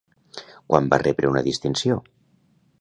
Quan va rebre una distinció?